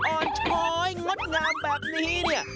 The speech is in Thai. อ้่ออดขอย์งดงามแบบนี้นี่